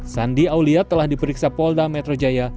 sandi aulia telah diperiksa polda metro jaya